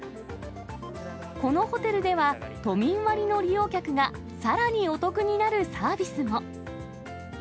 このホテルでは、都民割の利用客がさらにお得になるサービスも。